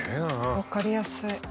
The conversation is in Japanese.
分かりやすい。